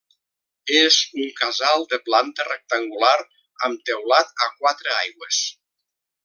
És un casal de planta rectangular amb teulat a quatre aigües.